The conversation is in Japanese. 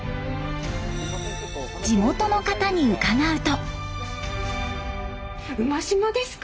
地元の方に伺うと。